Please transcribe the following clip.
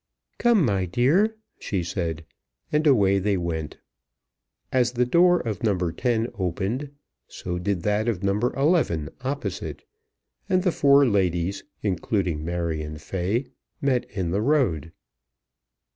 "Come, my dear," she said; and away they went. As the door of No. 10 opened so did that of No. 11 opposite, and the four ladies, including Marion Fay, met in the road.